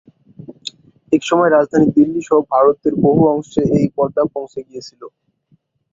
এক সময়ে রাজধানী দিল্লি সহ ভারতের বহু অংশে এই পর্দা পৌঁছে গিয়েছিল।